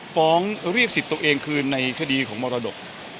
ฟ้องเรียกศิลป์ตัวเองคือในคดีของมรดก